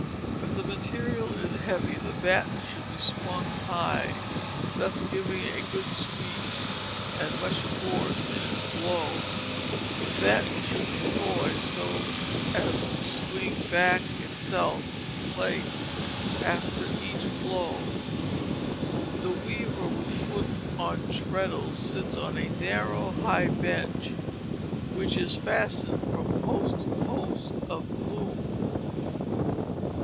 If the material is heavy, the batten should be swung high, thus having a good sweep and much force in its blow. The batten should be so poised as to swing back itself into place after each blow. The weaver, with foot on treadle, sits on a narrow, high bench, which is fastened from post to post of the loom.